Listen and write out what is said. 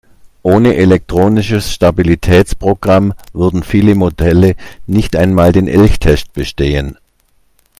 Ohne Elektronisches Stabilitätsprogramm würden viele Modelle nicht einmal den Elchtest bestehen.